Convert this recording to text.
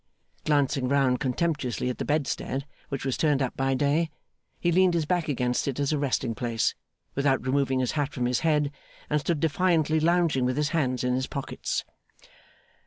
Glancing round contemptuously at the bedstead, which was turned up by day, he leaned his back against it as a resting place, without removing his hat from his head, and stood defiantly lounging with his hands in his pockets.